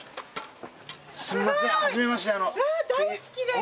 すいませんはじめまして。